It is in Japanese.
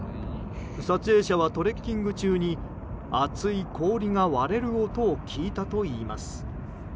撮影者はトレッキング中に厚い氷が割れる音を聞いたといいます。